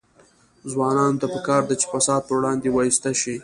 ځوانانو ته پکار ده چې، فساد پر وړاندې وایسته شي.